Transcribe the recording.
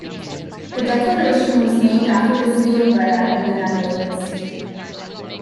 The declaration was named after the city of Breda in the Netherlands.